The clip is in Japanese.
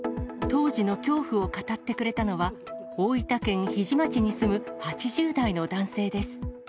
当時の恐怖を語ってくれたのは、大分県日出町に住む８０代の男性です。